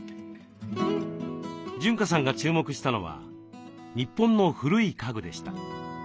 潤香さんが注目したのは日本の古い家具でした。